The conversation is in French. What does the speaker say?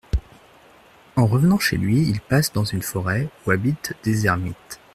En revenant chez lui, il passe dans une forêt où habitent des ermites.